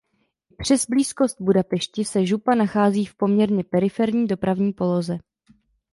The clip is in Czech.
I přes blízkost Budapešti se župa se nachází v poměrně periferní dopravní poloze.